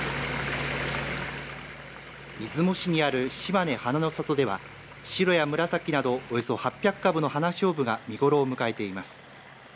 出雲市にある、しまね花の郷では白や紫などおよそ８００株の花しょうぶが見頃を迎えています。